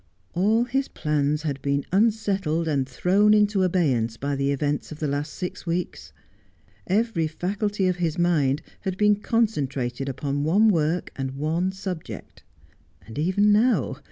All his plans had been unsettled and thrown into abeyance by the events of the last six weeks. Every faculty of his mind had been concentrated upon one work and one subject. And even now.